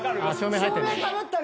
照明かぶったね」